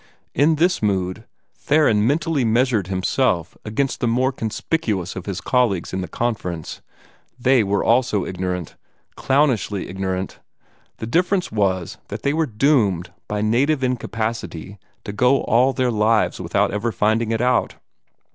In this mood, Theron mentally measured himself against the more conspicuous of his colleagues in the Conference. They also were ignorant, clownishly ignorant: the difference was that they were doomed by native incapacity to go on all their lives without ever finding it out.